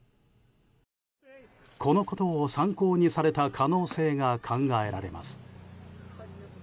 このことを参考にされた可能性が考えられます。